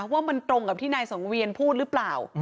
ว่ามันตรงกับที่นายสังเวียนพูดหรือเปล่า